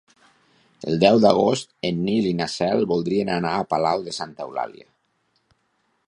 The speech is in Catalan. El deu d'agost en Nil i na Cel voldrien anar a Palau de Santa Eulàlia.